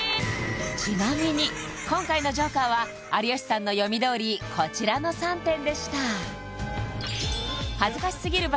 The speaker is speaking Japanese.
ちなみに今回のＪＯＫＥＲは有吉さんの読みどおりこちらの３点でした恥ずかしすぎる罰